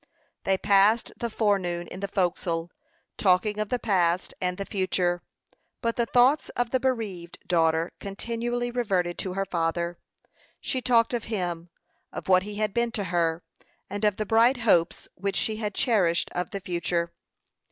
They passed the forenoon in the forecastle, talking of the past and the future; but the thoughts of the bereaved daughter continually reverted to her father. She talked of him; of what he had been to her, and of the bright hopes which she had cherished of the future.